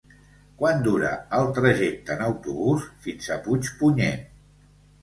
Quant dura el trajecte en autobús fins a Puigpunyent?